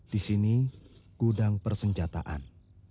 di sini gudang persenjataan